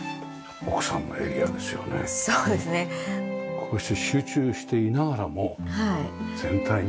こうして集中していながらも全体に上に下に。